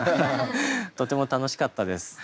とても楽しかったです。